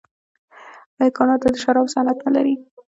آیا کاناډا د شرابو صنعت نلري؟